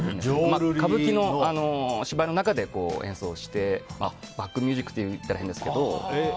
歌舞伎の芝居の中で演奏してバックミュージックといったら変ですけど。